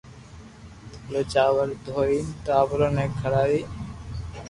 تو او چاور رودين ٽاٻرو ني کراوي